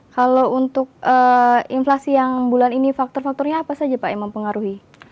kalau untuk inflasi yang bulan ini faktor faktornya apa saja pak yang mempengaruhi